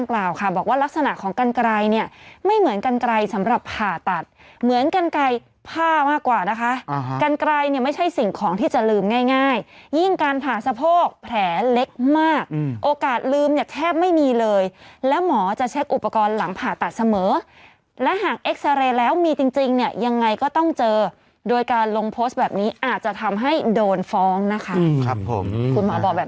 กรรไกรผ้ามากกว่านะคะกรรไกรไม่ใช่สิ่งที่จะลืมง่ายยิ่งการผ่าสะโพกแผลเล็กมากโอกาสลืมแทบไม่มีเลยแล้วหมอจะแช็กอุปกรณ์หลังผ่าตัดเสมอและหากเอ็กซาเรย์แล้วมีจริงยังไงก็ต้องเจอโดยการลงโป๊สแบบนี้อาจจะทำให้โดนฟ้องนะคะ